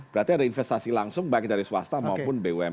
berarti ada investasi langsung baik dari swasta maupun bumn